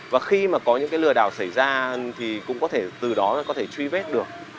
và khi mà có những cái lừa đảo xảy ra thì cũng có thể từ đó có thể truy vết được